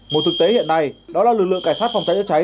một thực tế hiện nay đó là lực lượng cảnh sát phòng cháy chữa cháy